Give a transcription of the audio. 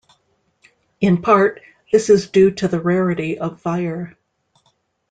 In part, this is due to the rarity of fire.